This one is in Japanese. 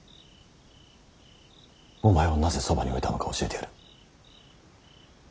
お前をなぜそばに置いたのか教えてやる。